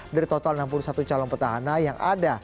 dari total enam puluh satu calon petahana yang ada